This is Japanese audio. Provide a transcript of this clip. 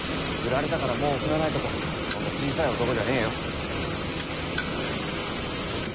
フラれたからもう送らないとかそんな小さい男じゃねえよ。